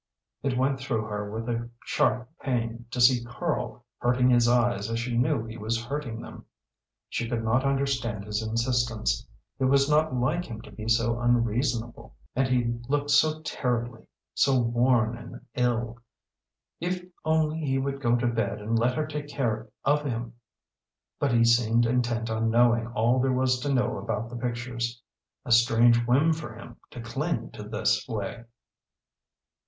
It went through her with a sharp pain to see Karl hurting his eyes as she knew he was hurting them. She could not understand his insistence; it was not like him to be so unreasonable. And he looked so terribly so worn and ill; if only he would go to bed and let her take care of him! But he seemed intent on knowing all there was to know about the pictures. A strange whim for him to cling to this way!